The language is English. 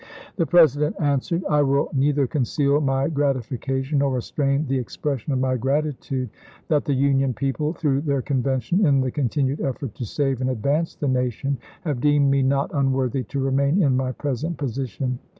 The President answered : I will neither conceal my gratification nor restrain the expression of my gratitnde that the Union people, through their Convention, in the continued effort to save and advance the nation, have deemed me not unworthy to remain in my present position.